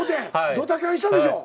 ドタキャンしたでしょ。